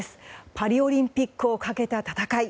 パリオリンピックをかけた戦い。